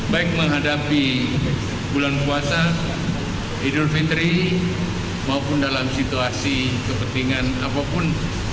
baik menghadapi bulan puasa idul fitri maupun dalam situasi kepentingan apapun